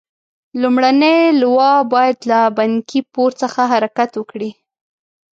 لومړنۍ لواء باید له بنکي پور څخه حرکت وکړي.